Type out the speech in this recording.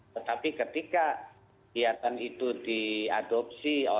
tetapi ketika kegiatan itu diadopsi